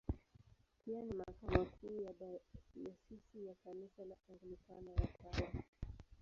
Pia ni makao makuu ya Dayosisi ya Kanisa la Anglikana ya Tanga.